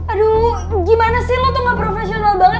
aduh gimana sih lo tuh gak profesional banget